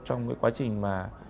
trong cái quá trình mà